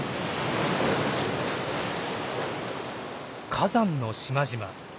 火山の島々。